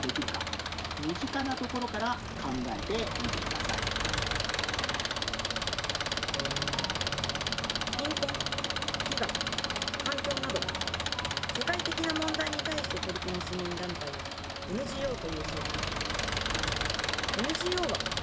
皆さんも例えば貧困飢餓環境など世界的な問題に対して取り組む市民団体をＮＧＯというそうだ